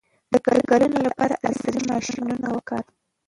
د کرنې لپاره عصري ماشینونه وکاروئ.